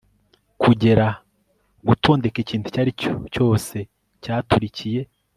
kugera, gutondeka ikintu icyo ari cyo cyose cyaturikiye